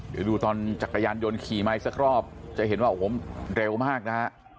เดี๋ยวดูตอนจักรยานยนต์ขี่มาอีกสักรอบจะเห็นว่าโอ้โหเร็วมากนะฮะ